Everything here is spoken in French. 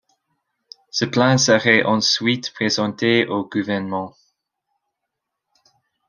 Ce plan serait ensuite présenté au gouvernent.